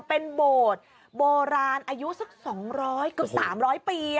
เป็นโบราณอายุสัก๒๐๐กับ๓๐๐ปี